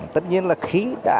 tất nhiên là khi đã